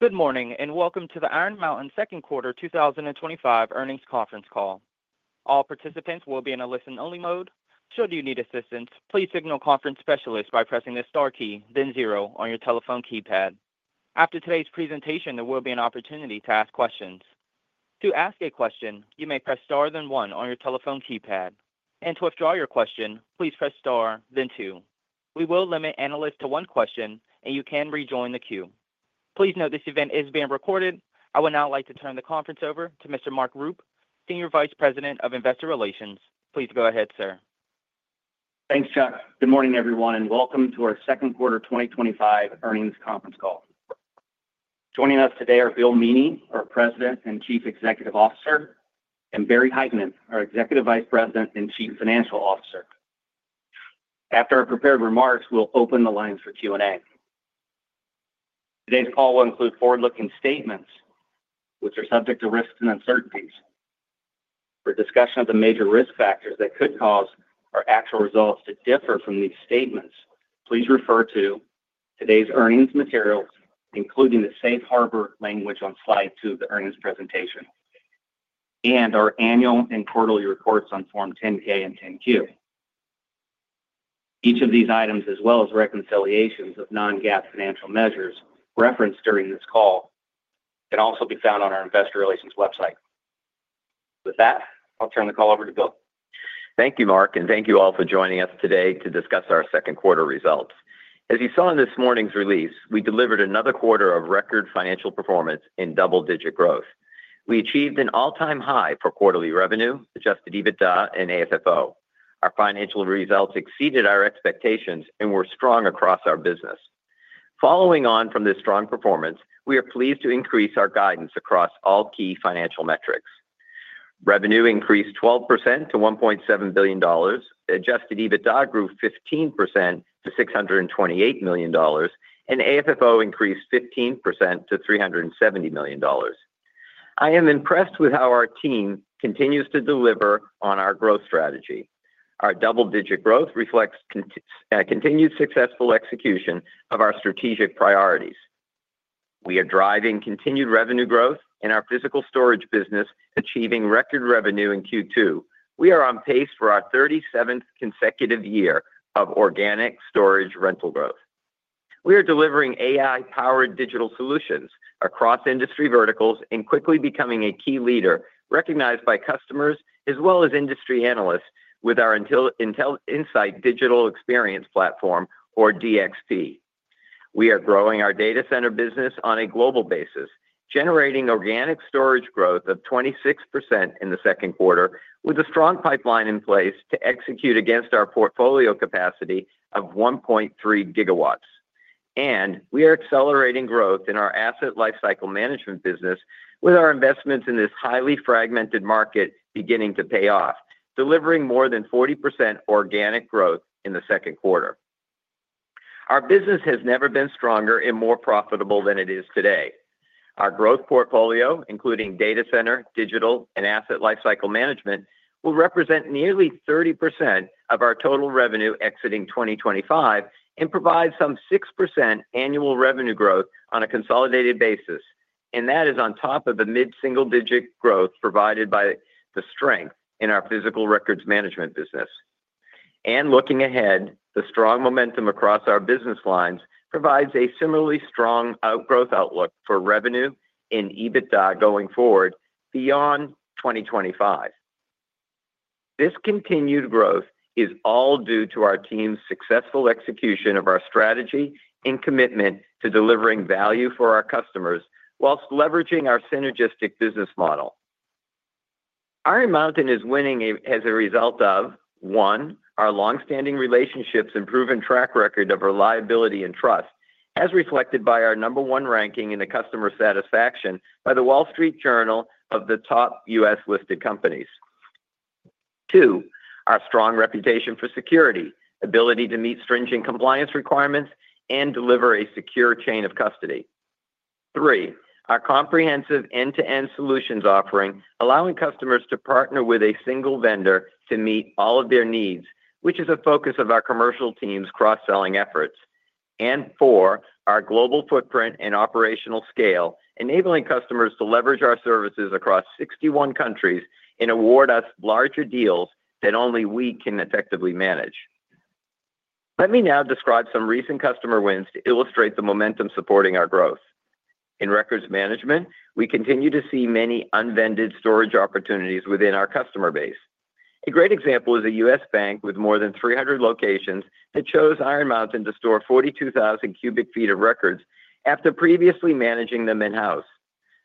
Good morning and welcome to the Iron Mountain second quarter 2025 earnings conference call. All participants will be in a listen-only mode. Should you need assistance, please signal Conference Specialist by pressing the star key, then zero, on your telephone keypad. After today's presentation, there will be an opportunity to ask questions. To ask a question, you may press star then one on your telephone keypad. To withdraw your question, please press star then two. We will limit analysts to one question, and you can rejoin the queue. Please note this event is being recorded. I would now like to turn the conference over to Mr. Mark Rupe, Senior Vice President of Investor Relations. Please go ahead, sir. Thanks, Chuck. Good morning, everyone, and welcome to our second quarter 2025 earnings conference call. Joining us today are William Meaney, our President and Chief Executive Officer, and Barry Hytinen, our Executive Vice President and Chief Financial Officer. After our prepared remarks, we'll open the lines for Q&A. Today's call will include forward-looking statements, which are subject to risks and uncertainties. For discussion of the major risk factors that could cause our actual results to differ from these statements, please refer to today's earnings materials, including the Safe Harbor language on slide two of the earnings presentation and our annual and quarterly reports on Form 10-K and 10-Q. Each of these items, as well as reconciliations of non-GAAP financial measures referenced during this call, can also be found on our Investor Relations website. With that, I'll turn the call over to William. Thank you, Mark, and thank you all for joining us today to discuss our second quarter results. As you saw in this morning's release, we delivered another quarter of record financial performance in double-digit growth. We achieved an all-time high for quarterly revenue, adjusted EBITDA, and AFFO. Our financial results exceeded our expectations and were strong across our business. Following on from this strong performance, we are pleased to increase our guidance across all key financial metrics. Revenue increased 12% to $1.7 billion, adjusted EBITDA grew 15% to $628 million, and AFFO increased 15% to $370 million. I am impressed with how our team continues to deliver on our growth strategy. Our double-digit growth reflects continued successful execution of our strategic priorities. We are driving continued revenue growth and our physical storage business achieving record revenue in Q2. We are on pace for our 37th consecutive year of organic storage rental growth. We are delivering AI-powered digital solutions across industry verticals and quickly becoming a key leader, recognized by customers as well as industry analysts with our InSight Digital Experience Platform, or DXP. We are growing our data center business on a global basis, generating organic storage growth of 26% in the second quarter, with a strong pipeline in place to execute against our portfolio capacity of 1.3 GW. We are accelerating growth in our Asset Lifecycle Management business, with our investments in this highly fragmented market beginning to pay off, delivering more than 40% organic growth in the second quarter. Our business has never been stronger and more profitable than it is today. Our growth portfolio, including data center, digital, and Asset Lifecycle Management, will represent nearly 30% of our total revenue exiting 2025 and provide some 6% annual revenue growth on a consolidated basis. That is on top of the mid-single-digit growth provided by the strength in our physical Records and Information Management business. Looking ahead, the strong momentum across our business lines provides a similarly strong growth outlook for revenue and EBITDA going forward beyond 2025. This continued growth is all due to our team's successful execution of our strategy and commitment to delivering value for our customers whilst leveraging our synergistic business model. Iron Mountain is winning as a result of, one, our longstanding relationships and proven track record of reliability and trust, as reflected by our number one ranking in the customer satisfaction by the Wall Street Journal of the top U.S. listed companies. Two, our strong reputation for security, ability to meet stringent compliance requirements, and deliver a secure chain of custody. Three, our comprehensive end-to-end solutions offering, allowing customers to partner with a single vendor to meet all of their needs, which is a focus of our commercial team's cross-selling efforts. Four, our global footprint and operational scale, enabling customers to leverage our services across 61 countries and award us larger deals than only we can effectively manage. Let me now describe some recent customer wins to illustrate the momentum supporting our growth. In Records and Information Management, we continue to see many unvended storage opportunities within our customer base. A great example is a U.S. bank with more than 300 locations that chose Iron Mountain to store 42,000 cu ft of records after previously managing them in-house.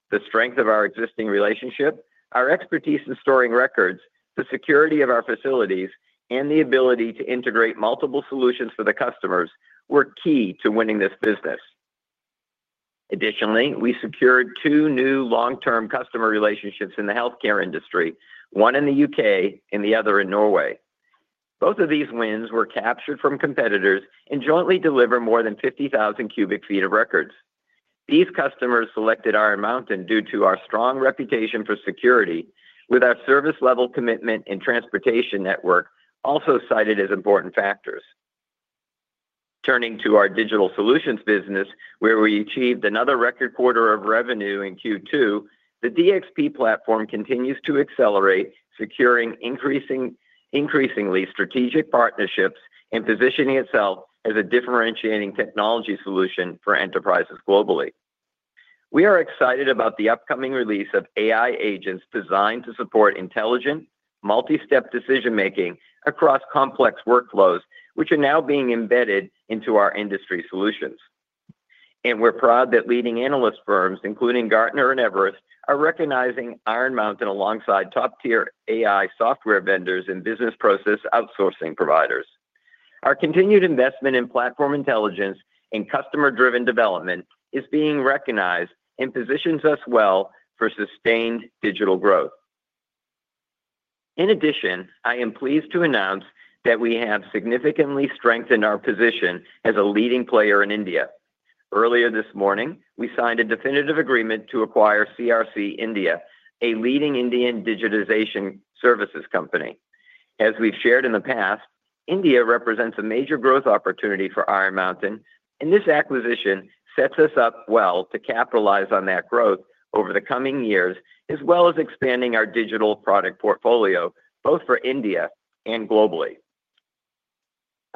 The strength of our existing relationship, our expertise in storing records, the security of our facilities, and the ability to integrate multiple solutions for the customers were key to winning this business. Additionally, we secured two new long-term customer relationships in the healthcare industry, one in the U.K. and the other in Norway. Both of these wins were captured from competitors and jointly deliver more than 50,000 cu ft of records. These customers selected Iron Mountain due to our strong reputation for security, with our service-level commitment and transportation network also cited as important factors. Turning to our digital solutions business, where we achieved another record quarter of revenue in Q2, the InSight Digital Experience Platform continues to accelerate, securing increasingly strategic partnerships and positioning itself as a differentiating technology solution for enterprises globally. We are excited about the upcoming release of AI agents designed to support intelligent, multi-step decision-making across complex workflows, which are now being embedded into our industry solutions. We are proud that leading analyst firms, including Gartner and Everest, are recognizing Iron Mountain alongside top-tier AI software vendors and business process outsourcing providers. Our continued investment in platform intelligence and customer-driven development is being recognized and positions us well for sustained digital growth. In addition, I am pleased to announce that we have significantly strengthened our position as a leading player in India. Earlier this morning, we signed a definitive agreement to acquire CRC India, a leading Indian digitization services company. As we've shared in the past, India represents a major growth opportunity for Iron Mountain, and this acquisition sets us up well to capitalize on that growth over the coming years, as well as expanding our digital product portfolio, both for India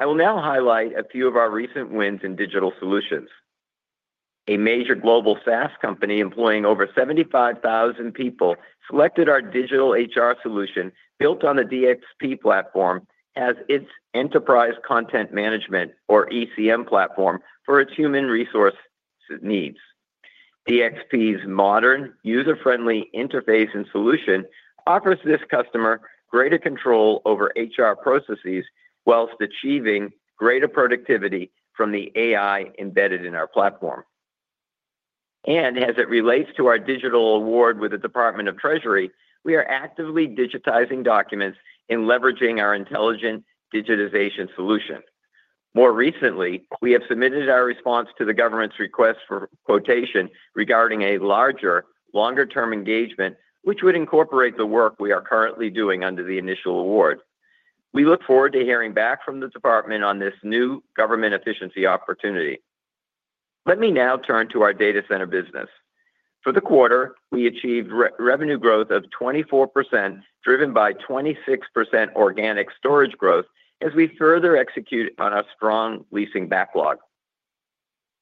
and globally. I will now highlight a few of our recent wins in digital solutions. A major global SaaS company employing over 75,000 people selected our digital HR solution built on the InSight Digital Experience Platform (DXP) as its enterprise content management, or ECM, platform for its human resource needs. DXP's modern, user-friendly interface and solution offers this customer greater control over HR processes whilst achieving greater productivity from the AI embedded in our platform. As it relates to our digital award with the U.S. Department of the Treasury, we are actively digitizing documents and leveraging our intelligent digitization solution. More recently, we have submitted our response to the government's request for quotation regarding a larger, longer-term engagement, which would incorporate the work we are currently doing under the initial award. We look forward to hearing back from the department on this new government efficiency opportunity. Let me now turn to our data center business. For the quarter, we achieved revenue growth of 24%, driven by 26% organic storage growth as we further execute on a strong leasing backlog.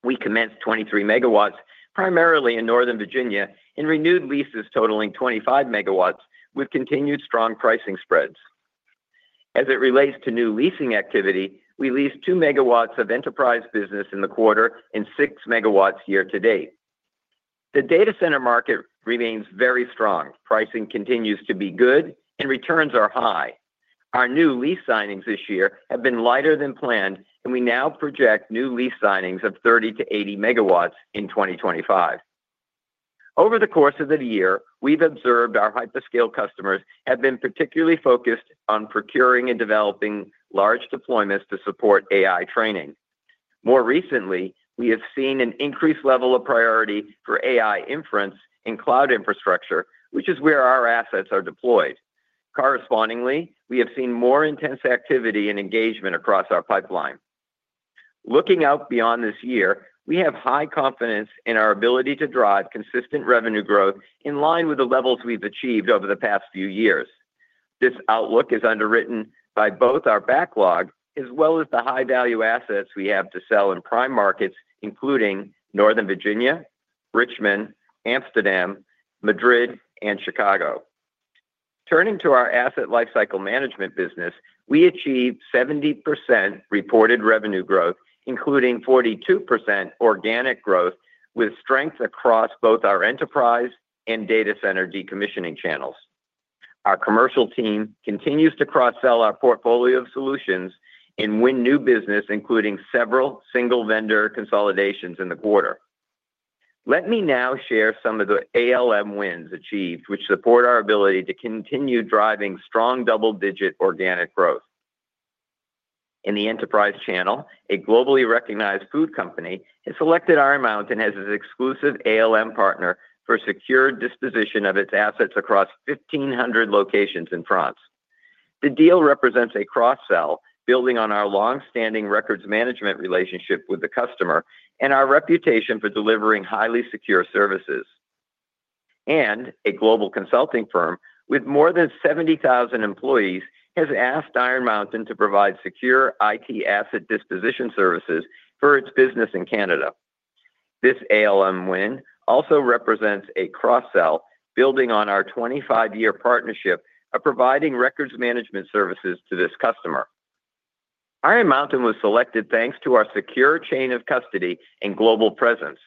We commenced 23 MW, primarily in Northern Virginia, and renewed leases totaling 25 MW with continued strong pricing spreads. As it relates to new leasing activity, we leased 2 MW of enterprise business in the quarter and 6 MW year to date. The data center market remains very strong. Pricing continues to be good, and returns are high. Our new lease signings this year have been lighter than planned, and we now project new lease signings of 30 MW-80 MW in 2025. Over the course of the year, we've observed our hyperscale customers have been particularly focused on procuring and developing large deployments to support AI training. More recently, we have seen an increased level of priority for AI inference in cloud infrastructure, which is where our assets are deployed. Correspondingly, we have seen more intense activity and engagement across our pipeline. Looking out beyond this year, we have high confidence in our ability to drive consistent revenue growth in line with the levels we've achieved over the past few years. This outlook is underwritten by both our backlog as well as the high-value assets we have to sell in prime markets, including Northern Virginia, Richmond, Amsterdam, Madrid, and Chicago. Turning to our Asset Lifecycle Management business, we achieved 70% reported revenue growth, including 42% organic growth, with strength across both our enterprise and data center decommissioning channels. Our commercial team continues to cross-sell our portfolio of solutions and win new business, including several single-vendor consolidations in the quarter. Let me now share some of the ALM wins achieved, which support our ability to continue driving strong double-digit organic growth. In the enterprise channel, a globally recognized food company has selected Iron Mountain as its exclusive ALM partner for secure disposition of its assets across 1,500 locations in France. The deal represents a cross-sell building on our longstanding records management relationship with the customer and our reputation for delivering highly secure services. A global consulting firm with more than 70,000 employees has asked Iron Mountain to provide secure IT asset disposition services for its business in Canada. This ALM win also represents a cross-sell building on our 25-year partnership of providing records management services to this customer. Iron Mountain was selected thanks to our secure chain of custody and global presence.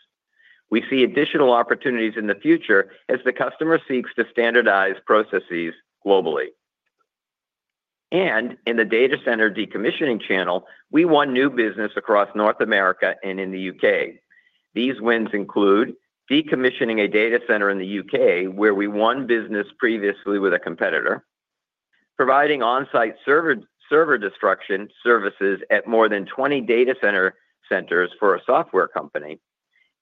We see additional opportunities in the future as the customer seeks to standardize processes globally. In the data center decommissioning channel, we won new business across North America and in the U.K.. These wins include decommissioning a data center in the U.K. where we won business previously with a competitor, providing on-site server destruction services at more than 20 data centers for a software company,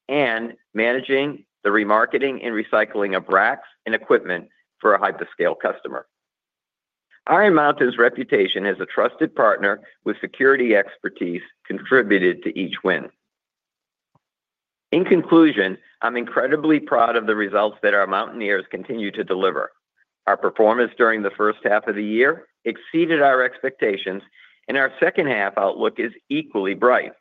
and managing the remarketing and recycling of racks and equipment for a hyperscale customer. Iron Mountain's reputation as a trusted partner with security expertise contributed to each win. In conclusion, I'm incredibly proud of the results that our mountaineers continue to deliver. Our performance during the first half of the year exceeded our expectations, and our second half outlook is equally bright.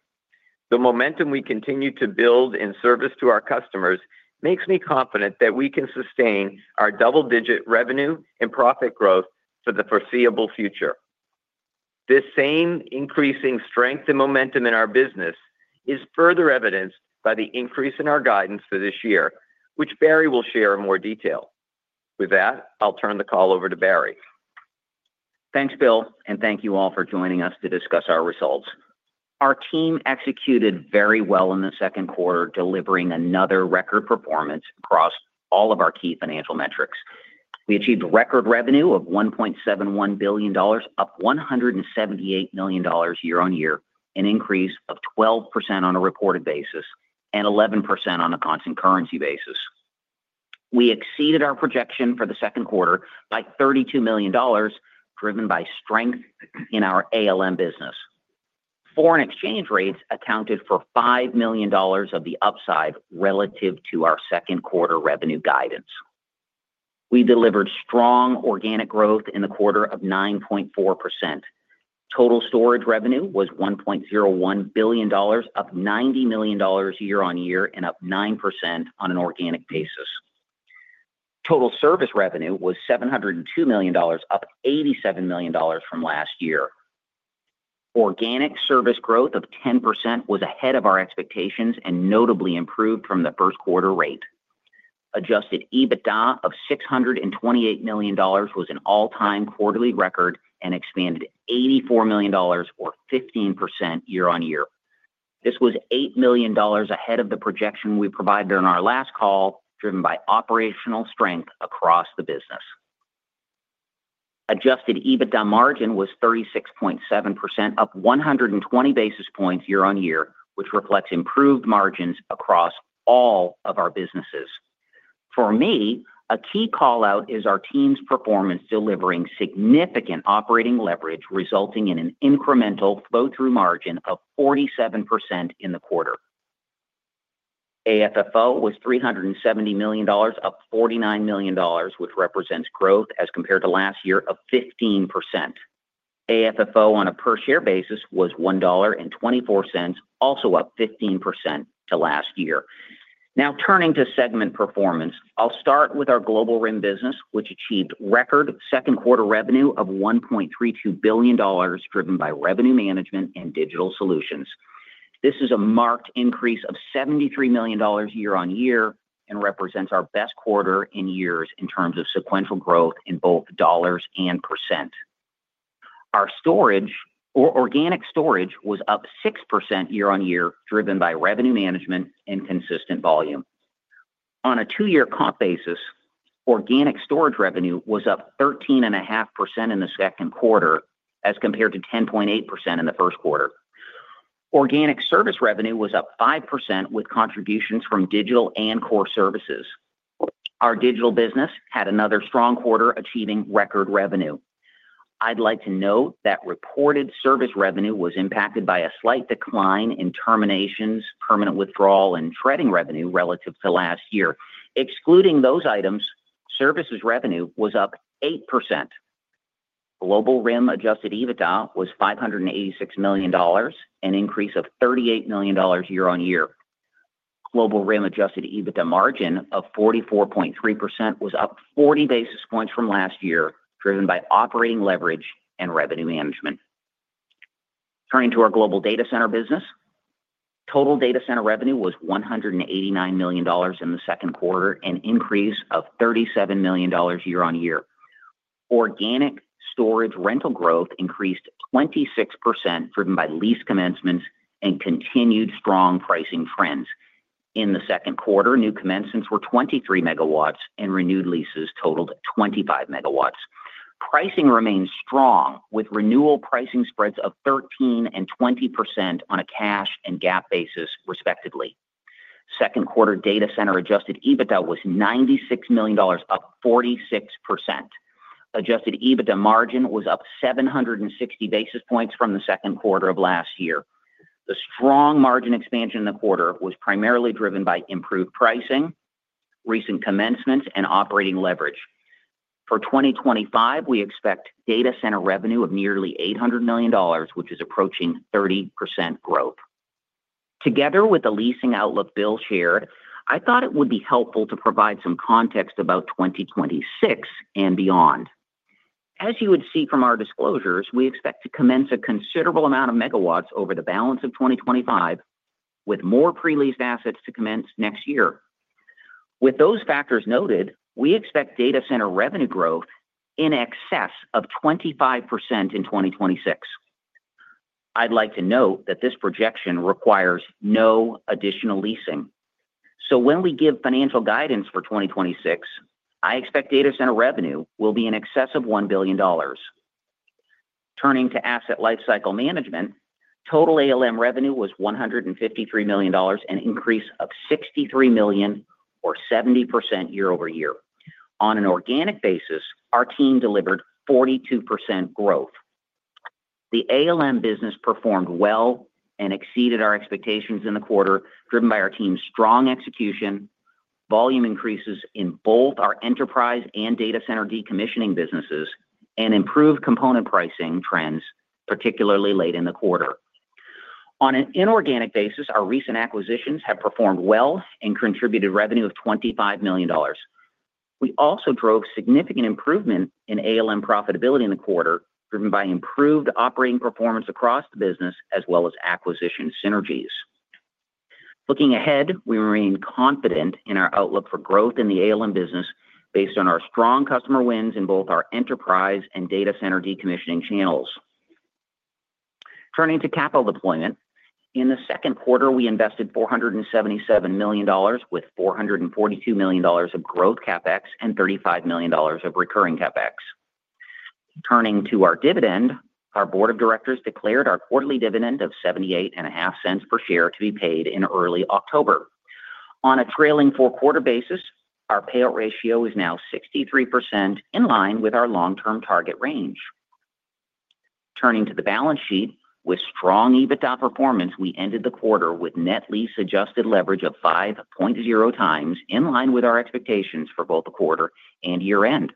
The momentum we continue to build in service to our customers makes me confident that we can sustain our double-digit revenue and profit growth for the foreseeable future. This same increasing strength and momentum in our business is further evidenced by the increase in our guidance for this year, which Barry will share in more detail. With that, I'll turn the call over to Barry. Thanks, Bill, and thank you all for joining us to discuss our results. Our team executed very well in the second quarter, delivering another record performance across all of our key financial metrics. We achieved record revenue of $1.71 billion, up $178 million year-on-year, an increase of 12% on a reported basis and 11% on a constant currency basis. We exceeded our projection for the second quarter by $32 million, driven by strength in our ALM business. Foreign exchange rates accounted for $5 million of the upside relative to our second quarter revenue guidance. We delivered strong organic growth in the quarter of 9.4%. Total storage revenue was $1.01 billion, up $90 million year-on-year and up 9% on an organic basis. Total service revenue was $702 million, up $87 million from last year. Organic service growth of 10% was ahead of our expectations and notably improved from the first quarter rate. Adjusted EBITDA of $628 million was an all-time quarterly record and expanded $84 million, or 15% year-on-year. This was $8 million ahead of the projection we provided on our last call, driven by operational strength across the business. Adjusted EBITDA margin was 36.7%, up 120 basis points year-on-year, which reflects improved margins across all of our businesses. For me, a key callout is our team's performance delivering significant operating leverage, resulting in an incremental flow-through margin of 47% in the quarter. AFFO was $370 million, up $49 million, which represents growth as compared to last year of 15%. AFFO on a per-share basis was $1.24, also up 15% to last year. Now turning to segment performance, I'll start with our global RIM business, which achieved record second-quarter revenue of $1.32 billion, driven by revenue management and digital solutions. This is a marked increase of $73 million year-on-year and represents our best quarter in years in terms of sequential growth in both dollars and percent. Our storage, or organic storage, was up 6% year-on-year, driven by revenue management and consistent volume. On a two-year comp basis, organic storage revenue was up 13.5% in the second quarter as compared to 10.8% in the first quarter. Organic service revenue was up 5% with contributions from digital and core services. Our digital business had another strong quarter achieving record revenue. I'd like to note that reported service revenue was impacted by a slight decline in terminations, permanent withdrawal, and shredding revenue relative to last year. Excluding those items, services revenue was up 8%. Global RIM adjusted EBITDA was $586 million, an increase of $38 million year-on-year. Global RIM adjusted EBITDA margin of 44.3% was up 40 basis points from last year, driven by operating leverage and revenue management. Turning to our global data center business, total data center revenue was $189 million in the second quarter, an increase of $37 million year-on-year. Organic storage rental growth increased 26%, driven by lease commencements and continued strong pricing trends. In the second quarter, new commencements were 23 MW and renewed leases totaled 25 MW. Pricing remains strong with renewal pricing spreads of 13% and 20% on a cash and GAAP basis, respectively. Second quarter data center adjusted EBITDA was $96 million, up 46%. Adjusted EBITDA margin was up 760 basis points from the second quarter of last year. The strong margin expansion in the quarter was primarily driven by improved pricing, recent commencements, and operating leverage. For 2025, we expect data center revenue of nearly $800 million, which is approaching 30% growth. Together with the leasing outlook Bill shared, I thought it would be helpful to provide some context about 2026 and beyond. As you would see from our disclosures, we expect to commence a considerable amount of megawatts over the balance of 2025, with more pre-leased assets to commence next year. With those factors noted, we expect data center revenue growth in excess of 25% in 2026. I'd like to note that this projection requires no additional leasing. When we give financial guidance for 2026, I expect data center revenue will be in excess of $1 billion. Turning to Asset Lifecycle Management, total ALM revenue was $153 million, an increase of $63 million, or 70% year-over-year. On an organic basis, our team delivered 42% growth. The ALM business performed well and exceeded our expectations in the quarter, driven by our team's strong execution, volume increases in both our enterprise and data center decommissioning businesses, and improved component pricing trends, particularly late in the quarter. On an inorganic basis, our recent acquisitions have performed well and contributed revenue of $25 million. We also drove significant improvement in ALM profitability in the quarter, driven by improved operating performance across the business as well as acquisition synergies. Looking ahead, we remain confident in our outlook for growth in the ALM business based on our strong customer wins in both our enterprise and data center decommissioning channels. Turning to capital deployment, in the second quarter, we invested $477 million, with $442 million of gross CapEx and $35 million of recurring CapEx. Turning to our dividend, our Board of Directors declared our quarterly dividend of $0.7850 per share to be paid in early October. On a trailing four-quarter basis, our payout ratio is now 63% in line with our long-term target range. Turning to the balance sheet, with strong EBITDA performance, we ended the quarter with net lease adjusted leverage of 5.0 times, in line with our expectations for both the quarter and year-end.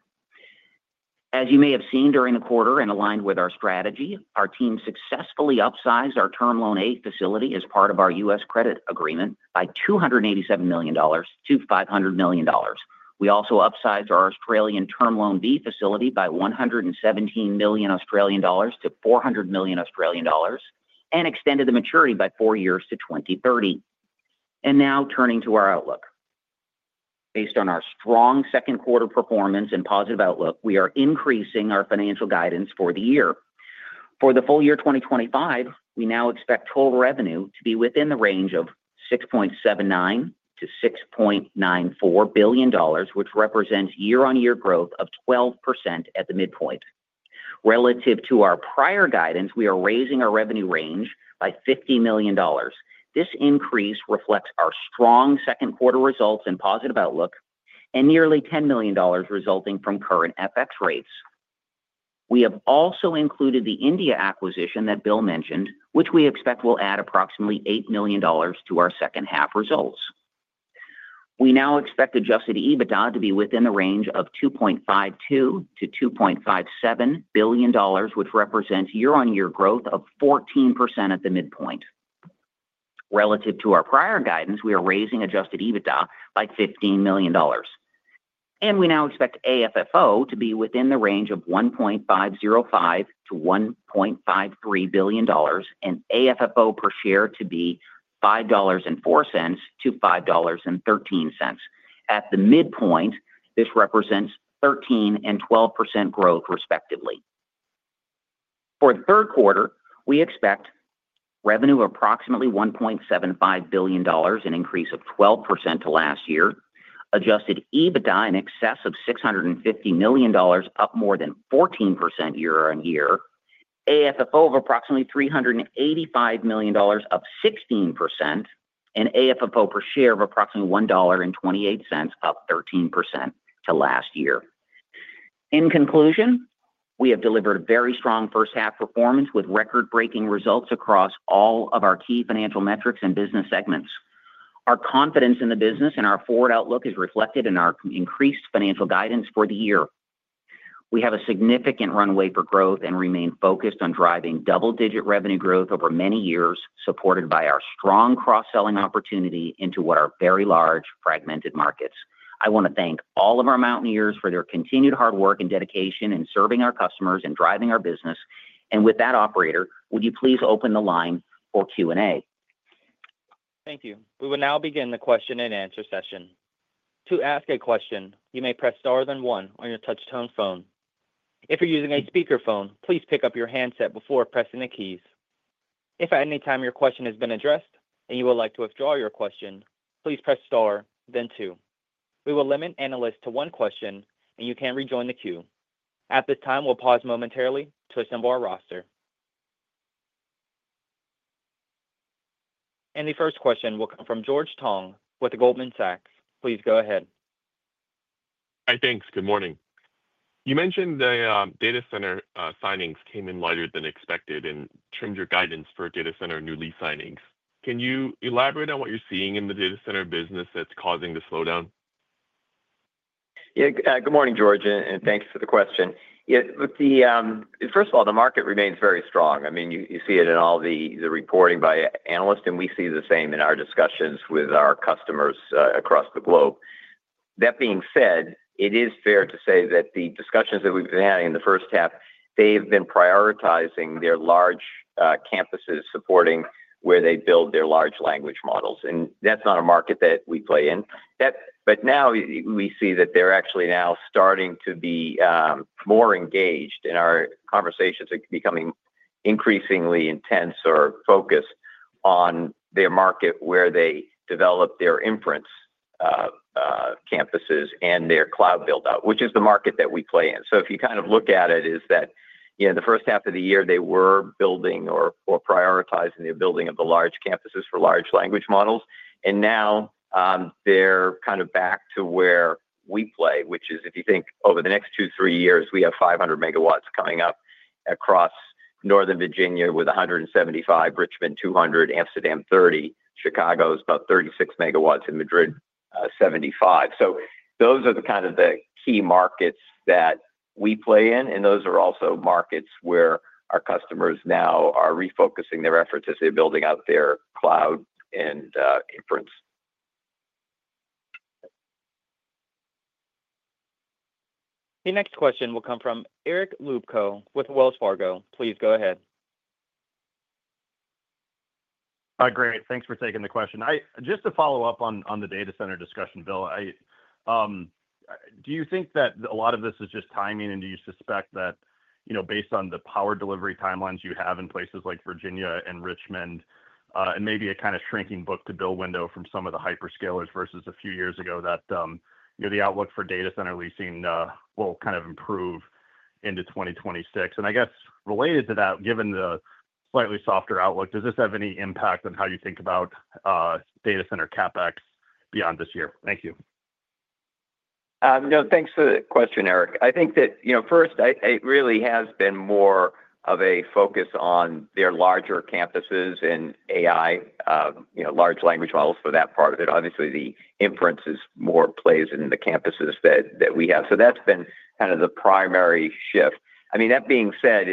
As you may have seen during the quarter and aligned with our strategy, our team successfully upsized our Term Loan A facility as part of our U.S. credit agreement by $287 million-$500 million. We also upsized our Australian Term Loan B facility by $117 million-$400 million and extended the maturity by four years to 2030. Now turning to our outlook. Based on our strong second-quarter performance and positive outlook, we are increasing our financial guidance for the year. For the full year 2025, we now expect total revenue to be within the range of $6.79 billion-$6.94 billion, which represents year-on-year growth of 12% at the midpoint. Relative to our prior guidance, we are raising our revenue range by $50 million. This increase reflects our strong second-quarter results and positive outlook and nearly $10 million resulting from current FX rates. We have also included the India acquisition that Bill mentioned, which we expect will add approximately $8 million to our second half results. We now expect adjusted EBITDA to be within the range of $2.52 billion-$2.57 billion, which represents year-on-year growth of 14% at the midpoint. Relative to our prior guidance, we are raising adjusted EBITDA by $15 million. We now expect AFFO to be within the range of $1.505 billion-$1.53 billion and AFFO per share to be $5.04-$5.13. At the midpoint, this represents 13% and 12% growth, respectively. For the third quarter, we expect revenue of approximately $1.75 billion, an increase of 12% to last year, adjusted EBITDA in excess of $650 million, up more than 14% year-on-year, AFFO of approximately $385 million, up 16%, and AFFO per share of approximately $1.28, up 13% to last year. In conclusion, we have delivered very strong first-half performance with record-breaking results across all of our key financial metrics and business segments. Our confidence in the business and our forward outlook is reflected in our increased financial guidance for the year. We have a significant runway for growth and remain focused on driving double-digit revenue growth over many years, supported by our strong cross-selling opportunity into what are very large fragmented markets. I want to thank all of our mountaineers for their continued hard work and dedication in serving our customers and driving our business. With that, operator, would you please open the line for Q&A? Thank you. We will now begin the question-and-answer session. To ask a question, you may press star, then one, on your touch-tone phone. If you're using a speakerphone, please pick up your handset before pressing the keys. If at any time your question has been addressed and you would like to withdraw your question, please press star, then two. We will limit analysts to one question, and you can rejoin the queue. At this time, we'll pause momentarily to assemble our roster. The first question will come from George Tong with Goldman Sachs. Please go ahead. Hi, thanks. Good morning. You mentioned the data center signings came in lighter than expected and trimmed your guidance for data center new lease signings. Can you elaborate on what you're seeing in the data center business that's causing the slowdown? Yeah, good morning, George, and thanks for the question. First of all, the market remains very strong. I mean, you see it in all the reporting by analysts, and we see the same in our discussions with our customers across the globe. That being said, it is fair to say that the discussions that we've been having in the first half, they've been prioritizing their large campuses supporting where they build their large language models. That's not a market that we play in. Now we see that they're actually now starting to be more engaged in our conversations, becoming increasingly intense or focused on their market where they develop their inference campuses and their cloud buildout, which is the market that we play in. If you kind of look at it, in the first half of the year, they were building or prioritizing the building of the large campuses for large language models. Now they're kind of back to where we play, which is if you think over the next two, three years, we have 500 MW coming up across Northern Virginia with 175 MW, Richmond 200 MW, Amsterdam 30 MW, Chicago is about 36 MW, and Madrid 75. Those are the kind of the key markets that we play in, and those are also markets where our customers now are refocusing their efforts as they're building out their cloud and inference. The next question will come from Eric Luebchow with Wells Fargo. Please go ahead. Hi, Grant. Thanks for taking the question. Just to follow up on the data center discussion, Bill, do you think that a lot of this is just timing, and do you suspect that, you know, based on the power delivery timelines you have in places like Northern Virginia and Richmond, and maybe a kind of shrinking book-to-build window from some of the hyperscale customers versus a few years ago, that, you know, the outlook for data center leasing will kind of improve into 2026? I guess related to that, given the slightly softer outlook, does this have any impact on how you think about data center CapEx beyond this year? Thank you. No, thanks for the question, Eric. I think that, you know, first, it really has been more of a focus on their larger campuses and AI, you know, large language models for that part of it. Obviously, the inference is more plays in the campuses that we have. That's been kind of the primary shift. That being said,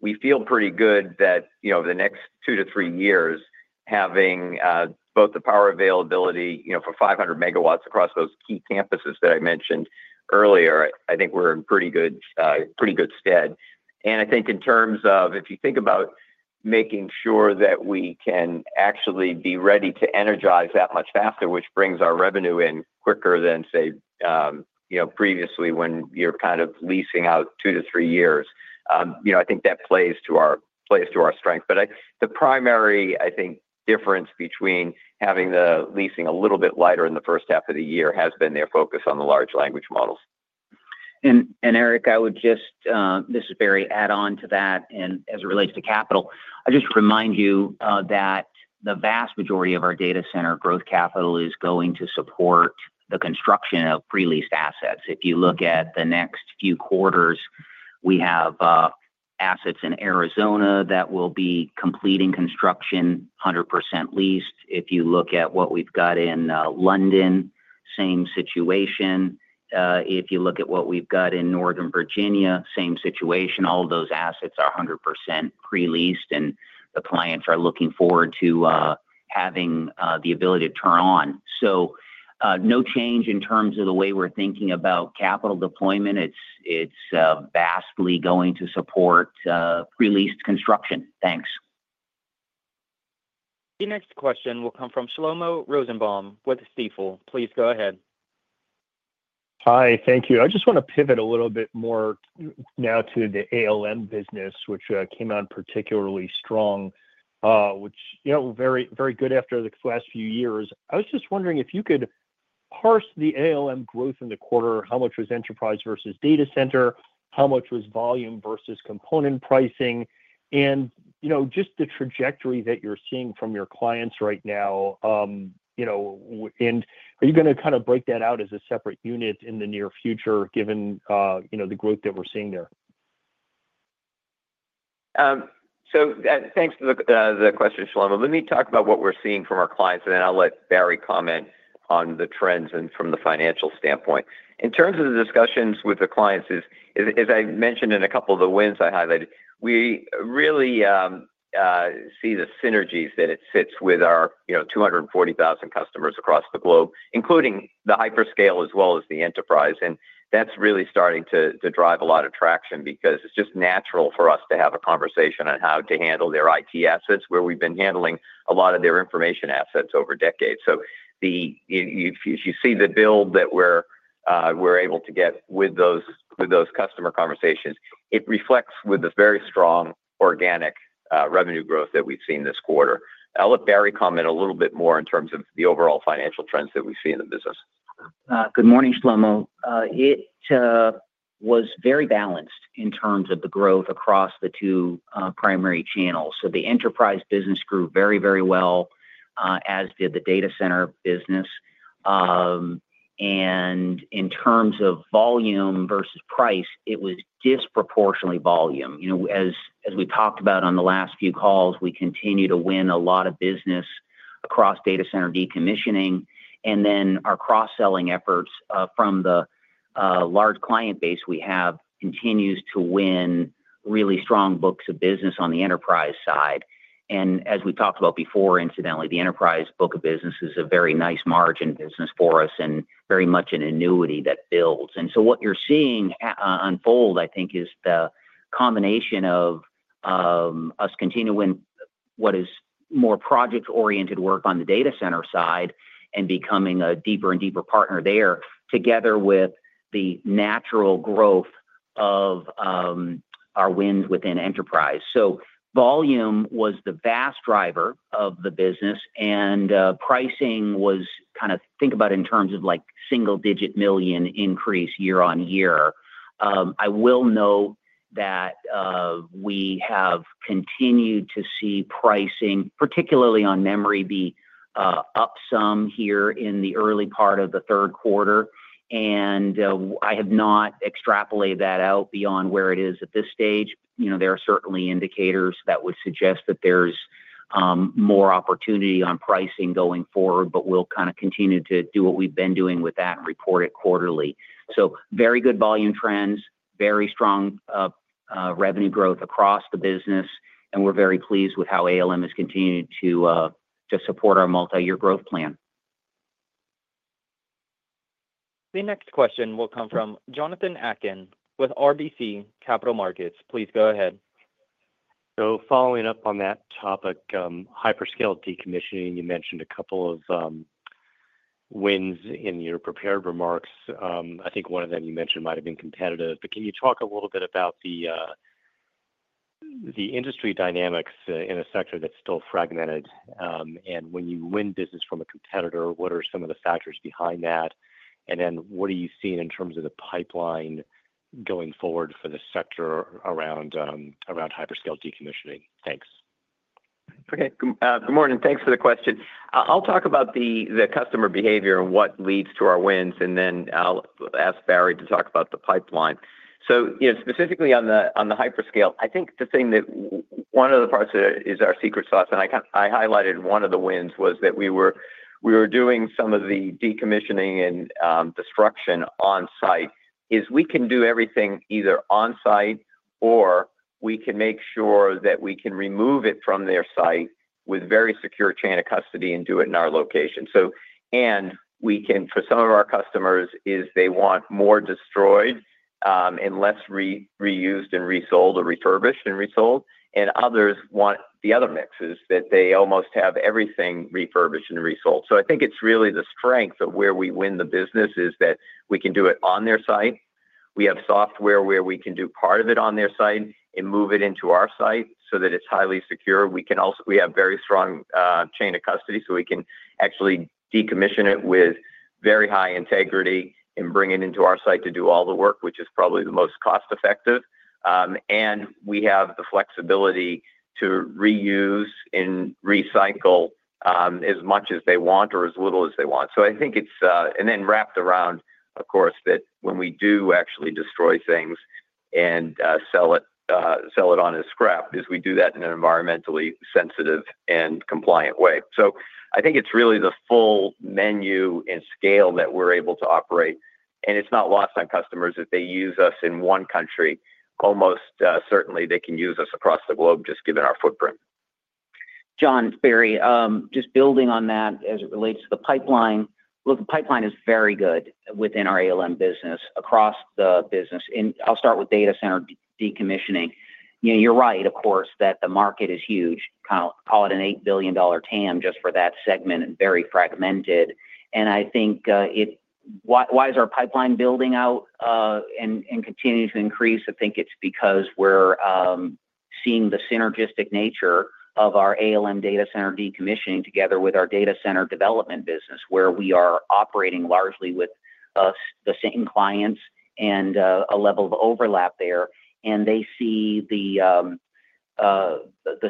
we feel pretty good that, you know, over the next two to three years, having both the power availability, you know, for 500 MW across those key campuses that I mentioned earlier, I think we're in pretty good stead. I think in terms of if you think about making sure that we can actually be ready to energize that much faster, which brings our revenue in quicker than, say, previously when you're kind of leasing out two to three years, I think that plays to our strength. The primary, I think, difference between having the leasing a little bit lighter in the first half of the year has been their focus on the large language models. Eric, I would just, this is Barry, add on to that. As it relates to capital, I just remind you that the vast majority of our data center growth capital is going to support the construction of pre-leased assets. If you look at the next few quarters, we have assets in Arizona that will be completing construction, 100% leased. If you look at what we've got in London, same situation. If you look at what we've got in Northern Virginia, same situation. All of those assets are 100% pre-leased, and the clients are looking forward to having the ability to turn on. No change in terms of the way we're thinking about capital deployment. It's vastly going to support pre-leased construction. Thanks. The next question will come from Shlomo Rosenbaum with Stifel. Please go ahead. Hi, thank you. I just want to pivot a little bit more now to the Asset Lifecycle Management business, which came out particularly strong, which, you know, very, very good after the last few years. I was just wondering if you could parse the Asset Lifecycle Management growth in the quarter. How much was enterprise versus data center? How much was volume versus component pricing? You know, just the trajectory that you're seeing from your clients right now, you know, and are you going to kind of break that out as a separate unit in the near future, given, you know, the growth that we're seeing there? Thank you for the question, Shlomo. Let me talk about what we're seeing from our clients, and then I'll let Barry comment on the trends and from the financial standpoint. In terms of the discussions with the clients, as I mentioned in a couple of the wins I highlighted, we really see the synergies that it sits with our 240,000 customers across the globe, including the hyperscale as well as the enterprise. That's really starting to drive a lot of traction because it's just natural for us to have a conversation on how to handle their IT assets, where we've been handling a lot of their information assets over decades. If you see the build that we're able to get with those customer conversations, it reflects with this very strong organic revenue growth that we've seen this quarter. I'll let Barry comment a little bit more in terms of the overall financial trends that we see in the business. Good morning, Shlomo. It was very balanced in terms of the growth across the two primary channels. The enterprise business grew very, very well, as did the data center business. In terms of volume versus price, it was disproportionately volume. As we've talked about on the last few calls, we continue to win a lot of business across data center decommissioning. Our cross-selling efforts from the large client base we have continue to win really strong books of business on the enterprise side. As we talked about before, incidentally, the enterprise book of business is a very nice margin business for us and very much an annuity that builds. What you're seeing unfold, I think, is the combination of us continuing what is more project-oriented work on the data center side and becoming a deeper and deeper partner there, together with the natural growth of our wins within enterprise. Volume was the vast driver of the business, and pricing was, kind of think about in terms of like single-digit million increase year on year. I will note that we have continued to see pricing, particularly on memory, be up some here in the early part of the third quarter. I have not extrapolated that out beyond where it is at this stage. There are certainly indicators that would suggest that there's more opportunity on pricing going forward, but we'll continue to do what we've been doing with that and report it quarterly. Very good volume trends, very strong revenue growth across the business, and we're very pleased with how ALM has continued to support our multi-year growth plan. The next question will come from Jonathan Atkin with RBC Capital Markets. Please go ahead. Following up on that topic, hyperscale decommissioning, you mentioned a couple of wins in your prepared remarks. I think one of them you mentioned might have been competitive, but can you talk a little bit about the industry dynamics in a sector that's still fragmented? When you win business from a competitor, what are some of the factors behind that? What are you seeing in terms of the pipeline going forward for the sector around hyperscale decommissioning? Thanks. Okay. Good morning. Thanks for the question. I'll talk about the customer behavior and what leads to our wins, and then I'll ask Barry to talk about the pipeline. Specifically on the hyperscale, I think the thing that is our secret sauce, and I highlighted one of the wins, was that we were doing some of the decommissioning and destruction on-site. We can do everything either on-site or we can make sure that we can remove it from their site with a very secure chain of custody and do it in our location. For some of our customers, they want more destroyed and less reused and resold or refurbished and resold. Others want the other mixes, that they almost have everything refurbished and resold. I think it's really the strength of where we win the business, that we can do it on their site. We have software where we can do part of it on their site and move it into our site so that it's highly secure. We also have a very strong chain of custody, so we can actually decommission it with very high integrity and bring it into our site to do all the work, which is probably the most cost-effective. We have the flexibility to reuse and recycle as much as they want or as little as they want. I think it's, wrapped around, of course, that when we do actually destroy things and sell it on as scrap, we do that in an environmentally sensitive and compliant way. I think it's really the full menu and scale that we're able to operate. It's not lost on customers if they use us in one country. Almost certainly, they can use us across the globe, just given our footprint. John, Barry, just building on that as it relates to the pipeline. Look, the pipeline is very good within our ALM business across the business. I'll start with data center decommissioning. You're right, of course, that the market is huge. Call it an $8 billion TAM just for that segment and very fragmented. I think it, why is our pipeline building out and continuing to increase? I think it's because we're seeing the synergistic nature of our ALM data center decommissioning together with our data center development business, where we are operating largely with the same clients and a level of overlap there. They see the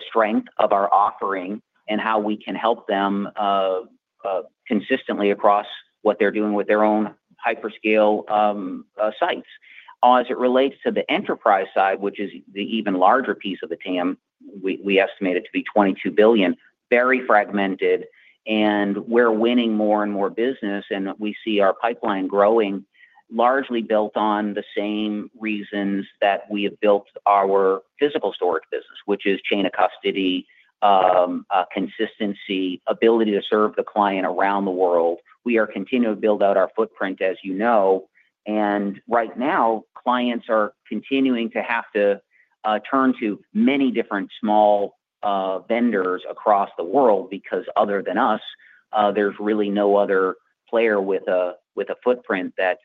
strength of our offering and how we can help them consistently across what they're doing with their own hyperscale sites. As it relates to the enterprise side, which is the even larger piece of the TAM, we estimate it to be $22 billion, very fragmented. We're winning more and more business, and we see our pipeline growing, largely built on the same reasons that we have built our physical storage business, which is chain of custody, consistency, ability to serve the client around the world. We are continuing to build out our footprint, as you know. Right now, clients are continuing to have to turn to many different small vendors across the world because other than us, there's really no other player with a footprint that's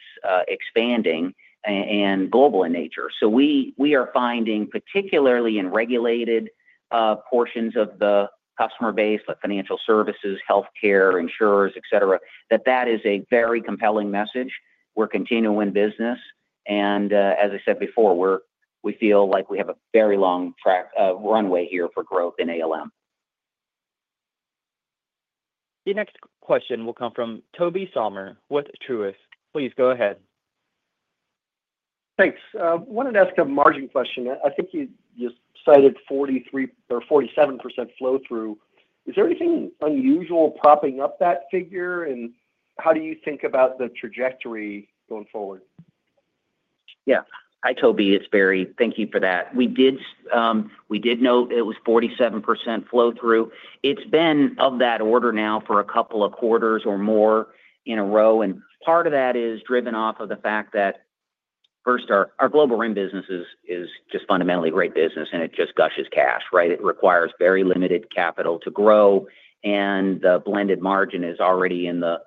expanding and global in nature. We are finding, particularly in regulated portions of the customer base, like financial services, healthcare, insurers, etc., that that is a very compelling message. We're continuing in business. As I said before, we feel like we have a very long runway here for growth in ALM. The next question will come from Tobey Sommer with Truist. Please go ahead. Thanks. I wanted to ask a margin question. I think you just cited 43% or 47% flow-through. Is there anything unusual propping up that figure? How do you think about the trajectory going forward? Yeah. Hi, Tobey. It's Barry. Thank you for that. We did note it was 47% flow-through. It's been of that order now for a couple of quarters or more in a row. Part of that is driven off of the fact that first, our global Records and Information Management business is just fundamentally a great business, and it just gushes cash, right? It requires very limited capital to grow. The blended margin is already in the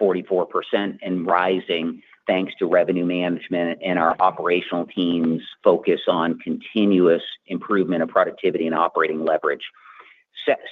44% and rising thanks to revenue management and our operational team's focus on continuous improvement of productivity and operating leverage.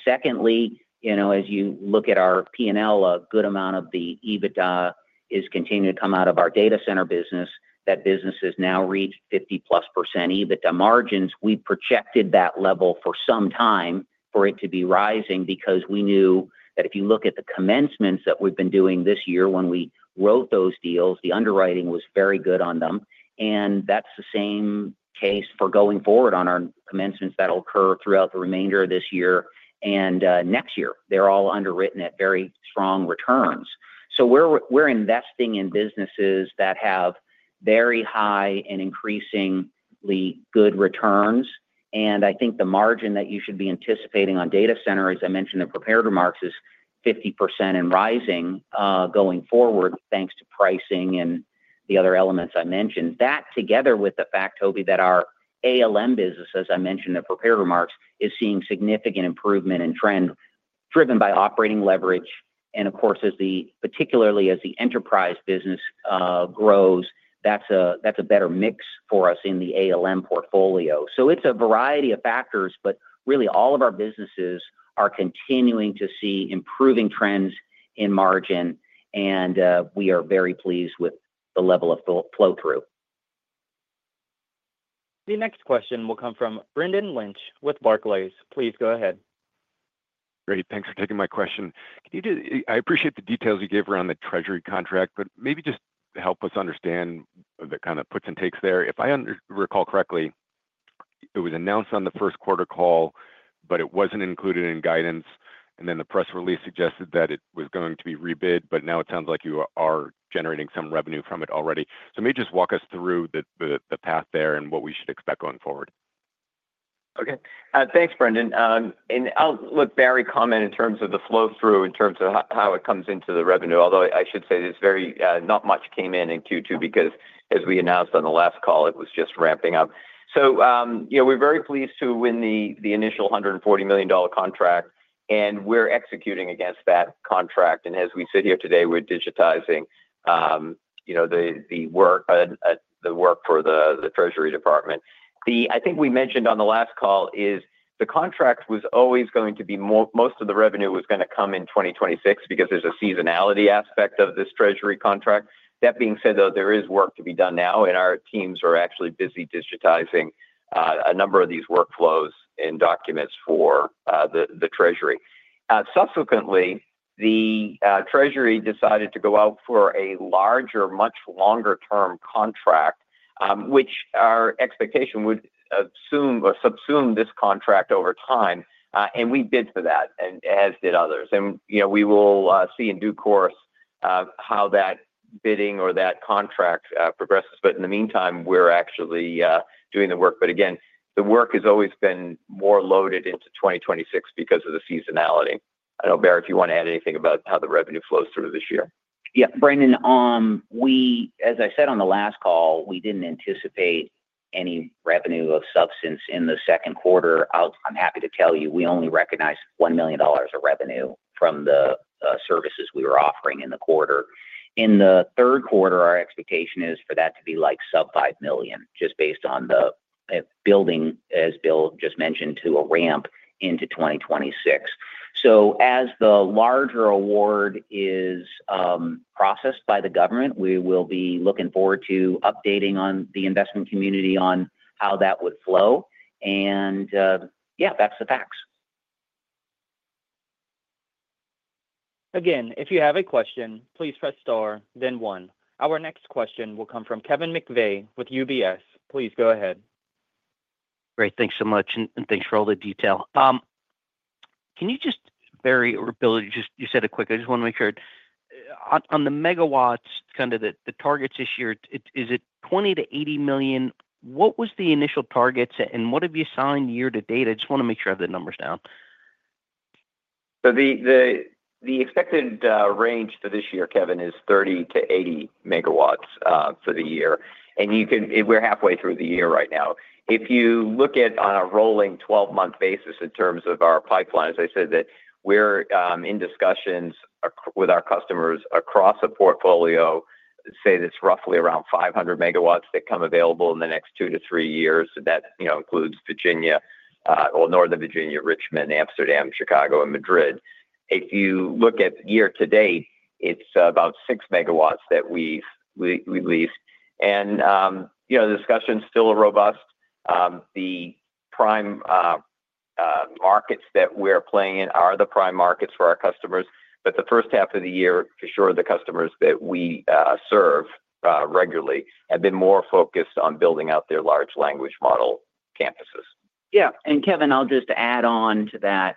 Secondly, as you look at our P&L, a good amount of the EBITDA is continuing to come out of our data center business. That business has now reached 50+% EBITDA margins. We projected that level for some time for it to be rising because we knew that if you look at the commencements that we've been doing this year when we wrote those deals, the underwriting was very good on them. That's the same case for going forward on our commencements that will occur throughout the remainder of this year and next year. They're all underwritten at very strong returns. We're investing in businesses that have very high and increasingly good returns. I think the margin that you should be anticipating on data center, as I mentioned in prepared remarks, is 50% and rising going forward thanks to pricing and the other elements I mentioned. That together with the fact, Tobey, that our Asset Lifecycle Management business, as I mentioned in prepared remarks, is seeing significant improvement in trend driven by operating leverage. Of course, particularly as the enterprise business grows, that's a better mix for us in the Asset Lifecycle Management portfolio. It's a variety of factors, but really all of our businesses are continuing to see improving trends in margin, and we are very pleased with the level of flow-through. The next question will come from Brendan Lynch with Barclays. Please go ahead. Great. Thanks for taking my question. I appreciate the details you gave around the U.S. Department of the Treasury contract, but maybe just help us understand the kind of puts and takes there. If I recall correctly, it was announced on the first quarter call, but it wasn't included in guidance. The press release suggested that it was going to be rebid, but now it sounds like you are generating some revenue from it already. Maybe just walk us through the path there and what we should expect going forward. Okay. Thanks, Brendan. I'll let Barry comment in terms of the flow-through in terms of how it comes into the revenue, although I should say there's not much came in in Q2 because as we announced on the last call, it was just ramping up. We're very pleased to win the initial $140 million contract, and we're executing against that contract. As we sit here today, we're digitizing the work for the U.S. Department of the Treasury. I think we mentioned on the last call the contract was always going to be more, most of the revenue was going to come in 2026 because there's a seasonality aspect of this Treasury contract. That being said, there is work to be done now, and our teams are actually busy digitizing a number of these workflows and documents for the Treasury. Subsequently, the Treasury decided to go out for a larger, much longer-term contract, which our expectation would assume or subsume this contract over time. We bid for that, as did others. We will see in due course how that bidding or that contract progresses. In the meantime, we're actually doing the work. The work has always been more loaded into 2026 because of the seasonality. I don't know, Barry, if you want to add anything about how the revenue flows through this year. Yeah, Brendan, as I said on the last call, we didn't anticipate any revenue of substance in the second quarter. I'm happy to tell you we only recognized $1 million of revenue from the services we were offering in the quarter. In the third quarter, our expectation is for that to be like sub $5 million, just based on the building, as Bill just mentioned, to a ramp into 2026. As the larger award is processed by the government, we will be looking forward to updating the investment community on how that would flow. Yeah, that's the facts. Again, if you have a question, please press star, then one. Our next question will come from Kevin McVeigh with UBS. Please go ahead. Great. Thanks so much. Thanks for all the detail. Can you, Barry or Bill, you said it quick. I just want to make sure on the megawatts, kind of the targets this year, is it 20 million-80 million? What was the initial target set? What have you assigned year to date? I just want to make sure I have the numbers down. The expected range for this year, Kevin, is 30 MW-80 MW for the year. We're halfway through the year right now. If you look at a rolling 12-month basis in terms of our pipeline, as I said, we're in discussions with our customers across the portfolio. That's roughly around 500 MW that come available in the next two to three years. That includes Northern Virginia, Richmond, Amsterdam, Chicago, and Madrid. If you look at year to date, it's about 6 MW that we lease. The discussion is still robust. The prime markets that we're playing in are the prime markets for our customers. The first half of the year, for sure, the customers that we serve regularly have been more focused on building out their large language model campuses. Yeah. Kevin, I'll just add on to that.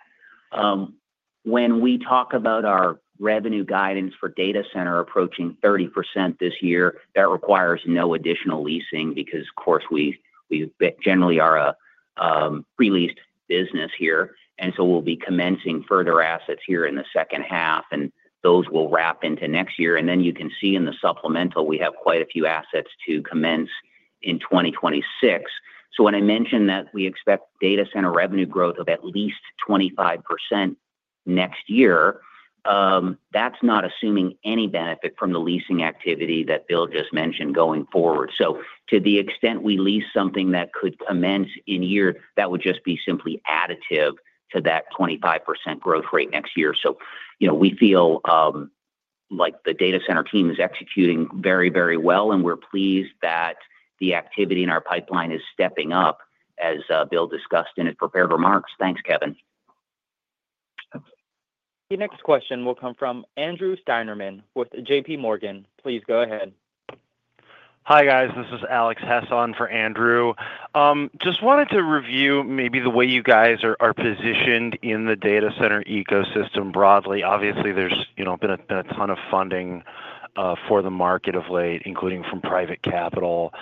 When we talk about our revenue guidance for data center approaching 30% this year, that requires no additional leasing because, of course, we generally are a pre-leased business here. We'll be commencing further assets here in the second half, and those will wrap into next year. You can see in the supplemental, we have quite a few assets to commence in 2026. When I mentioned that we expect data center revenue growth of at least 25% next year, that's not assuming any benefit from the leasing activity that Bill just mentioned going forward. To the extent we lease something that could commence in year, that would just be simply additive to that 25% growth rate next year. We feel like the data center team is executing very, very well, and we're pleased that the activity in our pipeline is stepping up, as Bill discussed in his prepared remarks. Thanks, Kevin. The next question will come from Andrew Stelnick with JPMorgan. Please go ahead. Hi, guys. This is Alex Hesson for Andrew. Just wanted to review maybe the way you guys are positioned in the data center ecosystem broadly. Obviously, there's been a ton of funding for the market of late, including from private capital.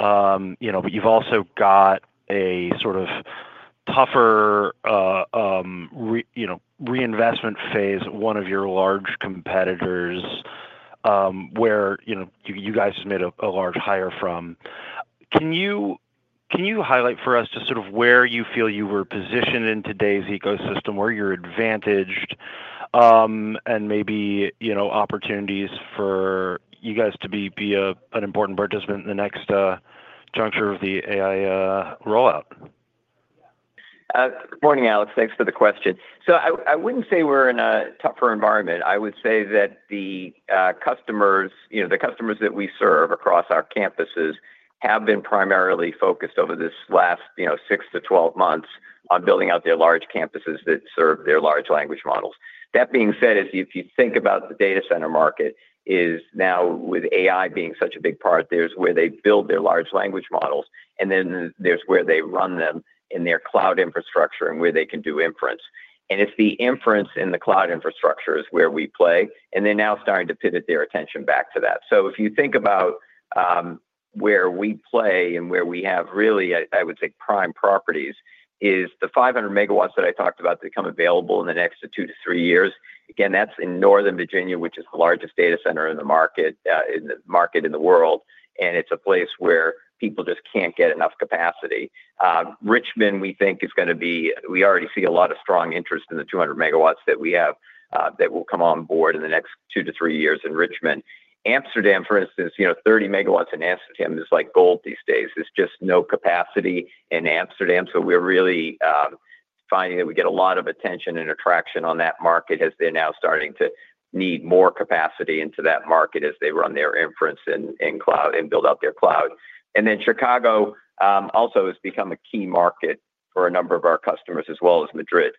You've also got a sort of tougher reinvestment phase at one of your large competitors where you guys have made a large hire from. Can you highlight for us just sort of where you feel you were positioned in today's ecosystem, where you're advantaged, and maybe opportunities for you guys to be an important participant in the next juncture of the AI rollout? Morning, Alex. Thanks for the question. I wouldn't say we're in a tougher environment. I would say that the customers, you know, the customers that we serve across our campuses have been primarily focused over this last, you know, six to 12 months on building out their large campuses that serve their large language models. That being said, if you think about the data center market, now with AI being such a big part, there's where they build their large language models, and then there's where they run them in their cloud infrastructure and where they can do inference. It's the inference in the cloud infrastructure where we play, and they're now starting to pivot their attention back to that. If you think about where we play and where we have really, I would say, prime properties, it's the 500 MW that I talked about that come available in the next two to three years. Again, that's in Northern Virginia, which is the largest data center market in the world, and it's a place where people just can't get enough capacity. Richmond, we think, is going to be, we already see a lot of strong interest in the 200 MW that we have that will come on board in the next two to three years in Richmond. Amsterdam, for instance, you know, 30 MW in Amsterdam is like gold these days. There's just no capacity in Amsterdam. We're really finding that we get a lot of attention and attraction on that market as they're now starting to need more capacity into that market as they run their inference in cloud and build out their cloud. Chicago also has become a key market for a number of our customers as well as Madrid.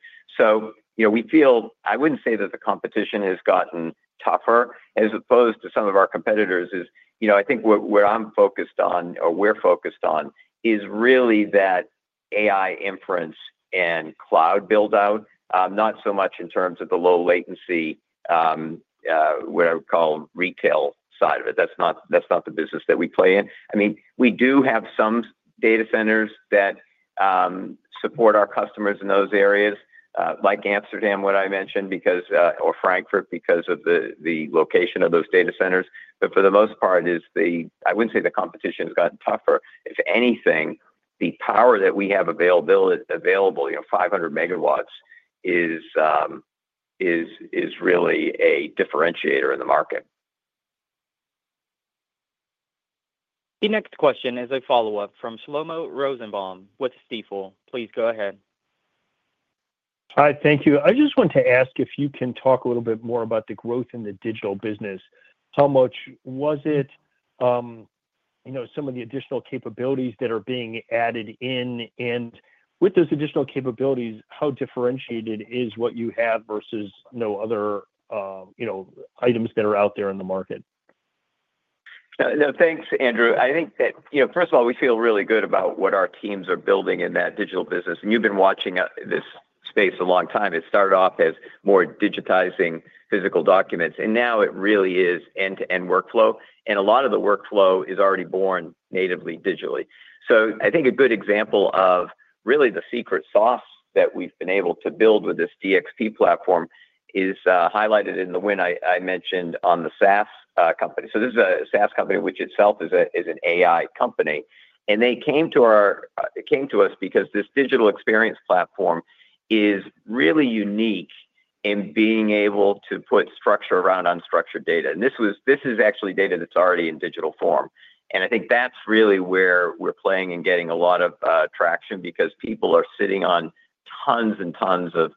We feel, I wouldn't say that the competition has gotten tougher as opposed to some of our competitors. I think what I'm focused on or we're focused on is really that AI inference and cloud buildout, not so much in terms of the low latency, what I would call retail side of it. That's not the business that we play in. We do have some data centers that support our customers in those areas, like Amsterdam, what I mentioned, or Frankfurt, because of the location of those data centers. For the most part, I wouldn't say the competition has gotten tougher. If anything, the power that we have available, you know, 500 MW is really a differentiator in the market. The next question is a follow-up from Shlomo Rosenbaum with Stifel. Please go ahead. Hi, thank you. I just want to ask if you can talk a little bit more about the growth in the digital business. How much was it, you know, some of the additional capabilities that are being added in? With those additional capabilities, how differentiated is what you have versus, you know, other, you know, items that are out there in the market? No, thanks, Andrew. I think that, you know, first of all, we feel really good about what our teams are building in that digital business. You've been watching this space a long time. It started off as more digitizing physical documents, and now it really is end-to-end workflow. A lot of the workflow is already born natively digitally. I think a good example of really the secret sauce that we've been able to build with this DXP platform is highlighted in the win I mentioned on the SaaS company. This is a SaaS company, which itself is an AI company. They came to us because this digital experience platform is really unique in being able to put structure around unstructured data. This is actually data that's already in digital form. I think that's really where we're playing and getting a lot of traction because people are sitting on tons and tons of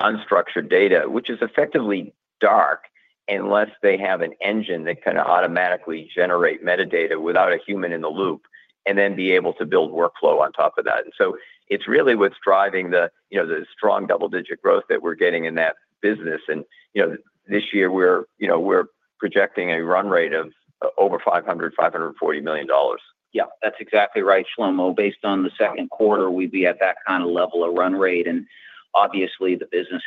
unstructured data, which is effectively dark unless they have an engine that can automatically generate metadata without a human in the loop and then be able to build workflow on top of that. It's really what's driving the strong double-digit growth that we're getting in that business. This year we're projecting a run rate of over $500 million, $540 million. Yeah, that's exactly right, Shlomo. Based on the second quarter, we'd be at that kind of level of run rate. The business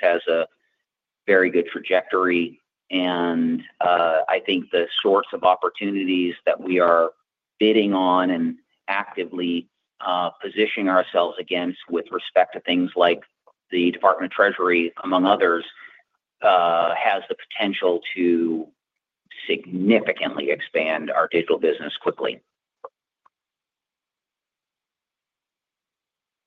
has a very good trajectory. I think the sorts of opportunities that we are bidding on and actively positioning ourselves against with respect to things like the U.S. Department of the Treasury, among others, has the potential to significantly expand our digital business quickly.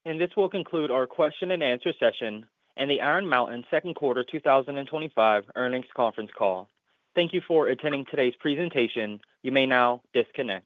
This will conclude our question-and-answer session and the Iron Mountain Second Quarter 2025 Earnings Conference Call. Thank you for attending today's presentation. You may now disconnect.